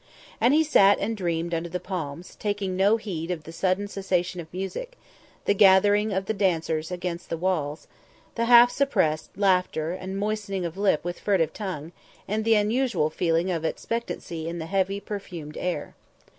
And he sat and dreamed under the palms, taking no heed of the sudden cessation of music, the gathering of the dancers against the walls; the half suppressed, laughter and moistening of lip with furtive tongue and the unusual feeling of expectancy in the heavy, perfumed air.